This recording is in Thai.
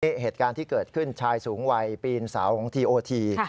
นี่เหตุการณ์ที่เกิดขึ้นชายสูงวัยปีนเสาของทีโอที